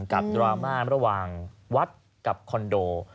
ดราม่าระหว่างวัดกับคอนโด